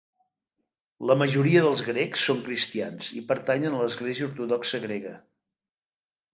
La majoria dels grecs són cristians i pertanyen a l'Església Ortodoxa Grega.